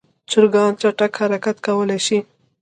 چرګان چټک حرکت کولی شي.